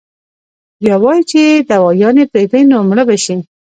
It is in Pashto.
بيا وائي چې دوايانې پرېږدي نو مړه به شي -